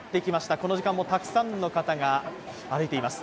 この時間もたくさんの方が歩いています。